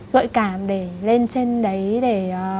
gợi cảm để lên trên đấy để